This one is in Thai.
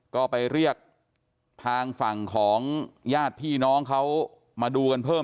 ก็ไปเรียกทางฝั่งของญาติพี่น้องเขามาดูกันเพิ่ม